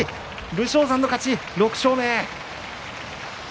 武将山の勝ち、６勝目。